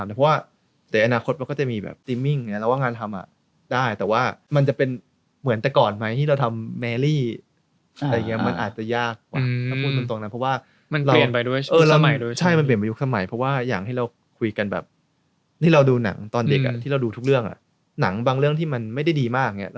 แล้วก็มีคนที่เราไม่เคยทำด้วยคนหนึ่งตัดต่อ